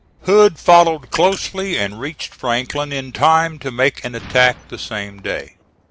Hood followed closely and reached Franklin in time to make an attack the same day.